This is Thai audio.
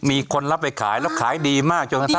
มีคนรับไปขายแล้วขายดีมากจนกระทั่ง